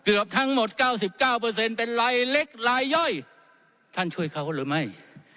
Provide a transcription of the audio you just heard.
เกือบทั้งหมดเก้าสิบเก้าเปอร์เซ็นต์เป็นลายเล็กลายย่อยท่านช่วยเขาหรือไม่